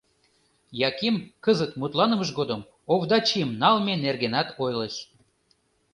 Яким кызыт мутланымыж годым Овдачим налме нергенат ойлыш.